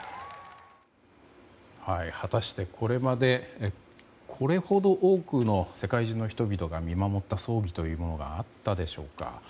果たして、これまでこれほど多くの世界中の人々が見守った葬儀というものがあったでしょうか。